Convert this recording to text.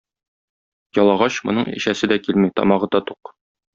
Ялагач, моның эчәсе дә килми, тамагы да тук.